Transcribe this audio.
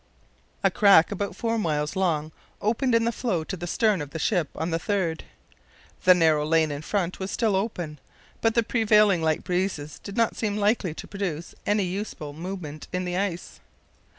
A crack about four miles long opened in the floe to the stern of the ship on the 3rd. The narrow lane in front was still open, but the prevailing light breezes did not seem likely to produce any useful movement in the ice.